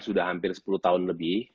sudah hampir sepuluh tahun lebih